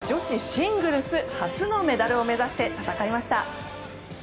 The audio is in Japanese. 今日は女子シングルス初のメダルを目指して戦いました。